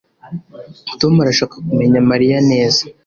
tom arashaka kumenya mariya neza